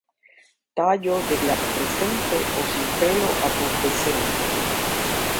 Tallo de glabrescente o sin pelo a pubescente.